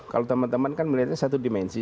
kalau teman teman kan melihatnya satu dimensi